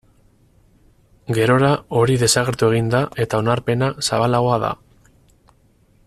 Gerora hori desagertu egin da eta onarpena zabalagoa da.